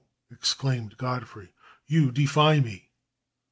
exclaimed Godfrey, "you defy me."